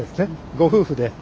ご夫婦で。